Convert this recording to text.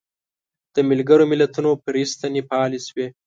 د ملګرو ملتونو فرعي ستنې فعالې شوې.